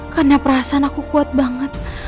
karena perasaan aku kuat banget